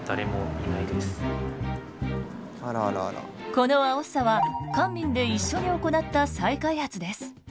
このアオッサは官民で一緒に行った再開発です。